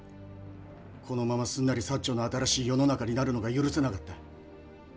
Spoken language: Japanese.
このまますんなり長の新しい世の中になるのが許せなかった。